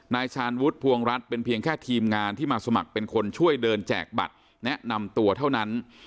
ชาญวุฒิภวงรัฐเป็นเพียงแค่ทีมงานที่มาสมัครเป็นคนช่วยเดินแจกบัตรแนะนำตัวเท่านั้น